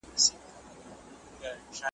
هر سړی به په خپل کار پسي روان وای .